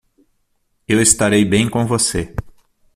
Eu estarei bem com você.